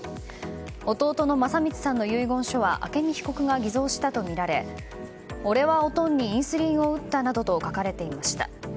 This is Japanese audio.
男投の聖光さんの遺言書は朱美被告が偽造したとみられ俺はおとんにインスリンを打ったなどと書かれていました。